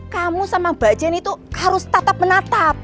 kamu sama mbak jenny tuh harus tatap menatap